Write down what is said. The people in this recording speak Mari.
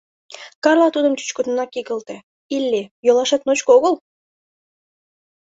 Карла тудым чӱчкыдынак игылте: «Илли, йолашет ночко огыл?